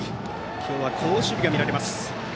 今日は好守備が見られます。